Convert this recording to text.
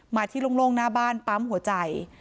มาที่โล่งหน้าบ้านปั๊มหัวใจ